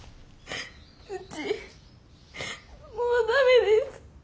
ウチもう駄目です。